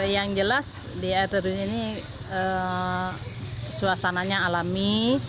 yang jelas di air terjun ini suasananya alami